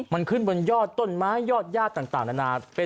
มันขึ้นบนยอดต้นไม้ยอดญาติต่างนานา